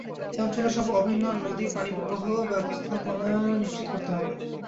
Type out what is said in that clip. এ অঞ্চলের সব অভিন্ন নদীর পানিপ্রবাহ ও ব্যবস্থাপনা নিশ্চিত করতে হবে।